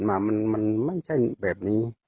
มามันไม่ใช่แบบนี้